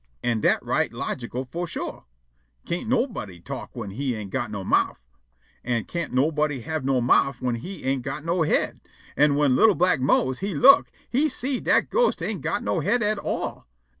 An' dat right logical fo' shore. Can't nobody talk whin he ain't got no mouf, an' can't nobody have no mouf whin he ain't got no head, an' whin li'l' black Mose he look', he see' dat ghost ain't got no head at all.